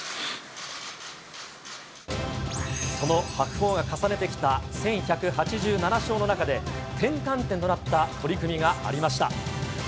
その白鵬が重ねてきた１１８７勝の中で、転換点となった取組がありました。